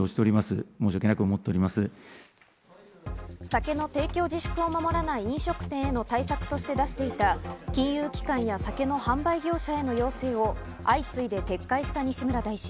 酒の提供自粛を守らない飲食店への対策として出していた金融機関や酒の販売業者への要請を相次いで撤回した西村大臣。